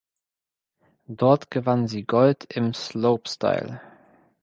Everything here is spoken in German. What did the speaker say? Dort gewann sie Gold im Slopestyle.